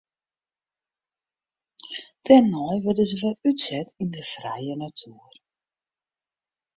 Dêrnei wurde se wer útset yn de frije natoer.